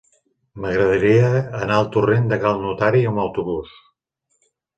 M'agradaria anar al torrent de Cal Notari amb autobús.